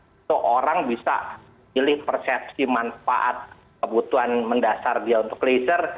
itu orang bisa pilih persepsi manfaat kebutuhan mendasar dia untuk leisure